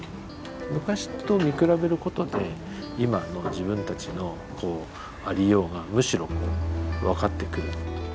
昔と見比べることで今の自分たちのこうありようがむしろこう分かってくる。